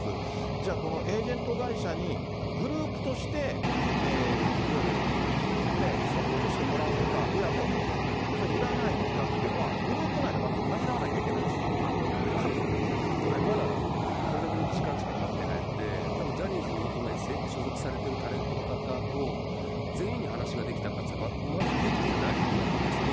じゃあ、このエージェント会社に、グループとして、いわゆるサポートしてもらうのか、いや、もうそれはいらないのかというのは、グループ内でまた話し合わなたぶん、これ、まだこれだけの時間しかたってないので、たぶんジャニーズに今、所属されているタレントの方と全員に話ができたかっていったらまずできてないと思うんですよね。